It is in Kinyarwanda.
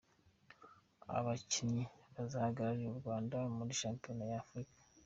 Abakinnyi bazahagararira u Rwanda muri shampiyona ya Afurika .